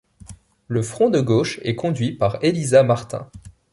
Le Front de gauche est conduit par Élisa Martin.